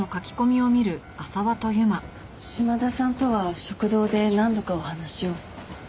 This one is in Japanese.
島田さんとは食堂で何度かお話を。